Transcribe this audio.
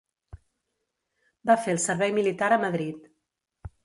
Va fer el servei militar a Madrid.